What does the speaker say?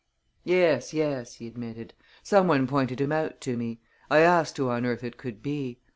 "Yes, yes!" he admitted. "Some one pointed him out to me. I asked who on earth it could be.